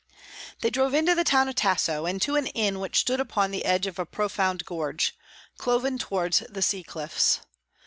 They drove into the town of Tasso, and to an inn which stood upon the edge of a profound gorge, cloven towards the sea cliffs.